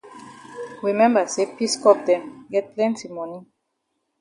We memba say peace corps dem get plenti moni.